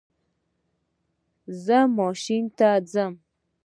زه ماشین ته ځم